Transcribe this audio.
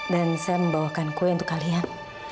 dan saya membawakan kue untuk kalian